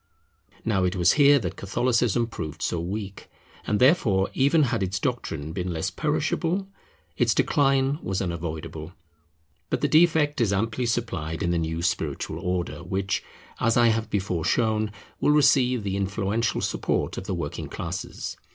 Now it was here that Catholicism proved so weak; and therefore, even had its doctrine been less perishable, its decline was unavoidable. But the defect is amply supplied in the new spiritual order, which, as I have before shown, will receive the influential support of the working classes.